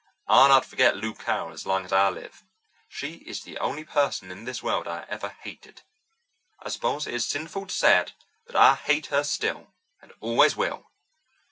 "I'll not forget Lou Carroll as long as I live. She is the only person in this world I ever hated. I suppose it is sinful to say it, but I hate her still, and always will."